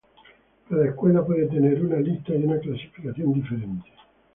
Cada escuela puede tener una lista y una clasificación diferente.